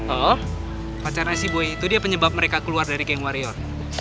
oh pacarnya si boy itu dia penyebab mereka keluar dari geng warrior